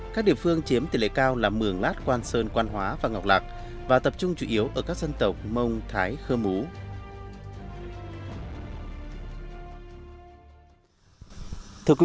các địa phương chiếm tỷ lệ cao là mường lát quan sơn quan hóa và ngọc lạc và tập trung chủ yếu ở các dân tộc mông thái khơ mú